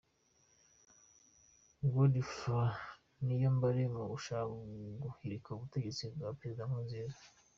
Godefroid Niyombare mu gushaka guhirika ubutegetsi bwa Perezida Nkurunziza.